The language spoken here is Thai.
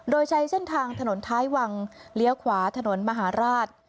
โดยใช้เส้นทางถนนท้ายวังเลี้ยวขวาถนนมหาราช